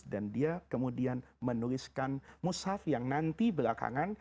dan dia kemudian menuliskan mushaf yang nanti belakangan